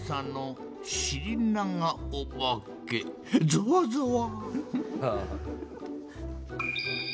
ぞわぞわ。